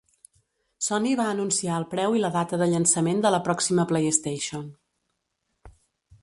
Sony va anunciar el preu i la data de llançament de la pròxima PlayStation.